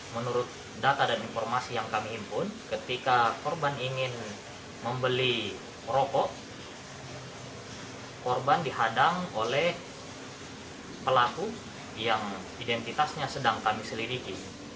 menurut data dan informasi yang kami impun ketika korban ingin membeli rokok korban dihadang oleh pelaku yang identitasnya sedang kami selidiki